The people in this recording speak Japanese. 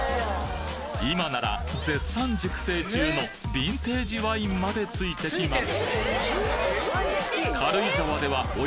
今なら絶賛熟成中のヴィンテージワインまで付いてきます